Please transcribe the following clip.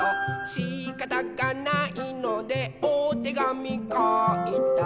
「しかたがないのでおてがみかいた」